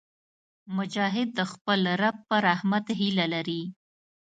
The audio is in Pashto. مجاهد د خپل رب په رحمت هیله لري.